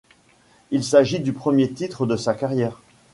Il s'agit du premier titre de sa carrière.